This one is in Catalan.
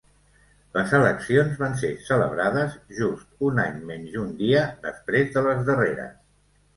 Les eleccions van ser celebrades just un any menys un dia després de les darreres.